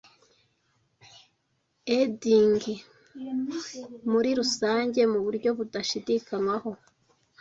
Eddying muri rusange muburyo budashidikanywaho,